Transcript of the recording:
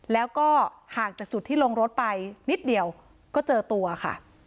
แล้วก็ห่างจากจุดที่ลงรถไปนิดเดียวก็เจอตัวค่ะ